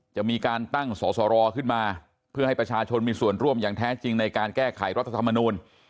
จะมีการตั้งสอสรขึ้นมาเพื่อให้ประชาชนมีส่วนร่วมอย่างแท้จริงในการแก้ไขรัฐธรรมนูล